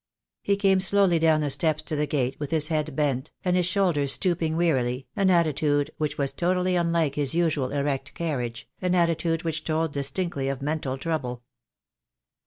He came slowly down the steps to the gate, with his head bent, and his shoulders stooping wearily, an attitude which was totally unlike his usual erect carriage, an attitude which told distinctly of mental trouble.